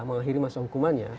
mengakhiri masa hukumannya